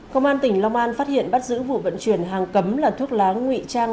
công an tỉnh long an phát hiện bắt giữ vụ vận chuyển hàng cấm là thuốc lá nguy trang